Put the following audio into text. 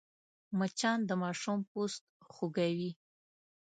مچان د ماشوم پوست خوږوي